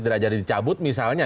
tidak jadi dicabut misalnya